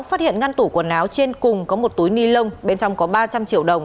phát hiện ngăn tủ quần áo trên cùng có một túi ni lông bên trong có ba trăm linh triệu đồng